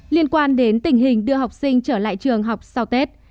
liên quan đến tình hình đưa học sinh trở lại trường học sau tết